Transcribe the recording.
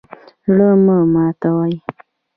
زړه مه ماتوئ